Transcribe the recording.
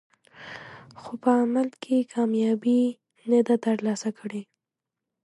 خو په عمل کې کامیابي نه ده ترلاسه کړې.